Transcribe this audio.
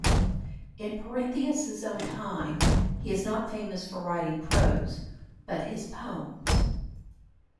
In Parthenius' own time he is not famous for writing prose but his poems.